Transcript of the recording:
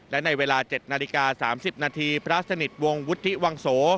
และในเวลา๗นาฬิกา๓๐นาทีพระสนิทวงศ์วุฒิวังโส